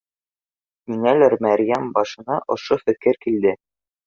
— Ниңәлер Мәрйәм башына ошо фекер килде